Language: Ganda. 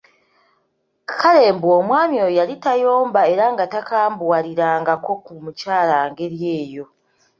Kale mbu omwami oyo yali tayomba era nga takambuwalirangako ku mukyala ng'eri eyo !